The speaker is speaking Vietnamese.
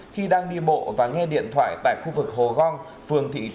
khi đang đi bộ và nghe điện thoại tại khu vực hồ gong phường